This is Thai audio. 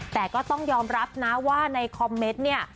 แต่ก็ต้องยอมรับนะว่าในคอมเมนต์เนี่ย